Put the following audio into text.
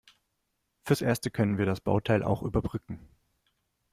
Fürs Erste können wir das Bauteil auch überbrücken.